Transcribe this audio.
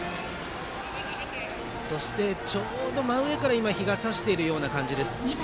そしてちょうど真上から日が差しているような感じです。